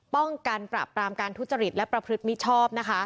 ป้องกันปราบปรามการทุจริตและประพฤติมิชชอบนะคะ